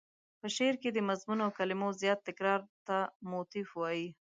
په شعر کې د مضمون او کلمو زیات تکرار ته موتیف وايي.